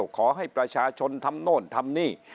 ขอให้ประชาชนทำโน่นทำนี่